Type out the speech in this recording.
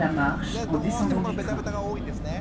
どうしてもこのベタベタが多いんですね。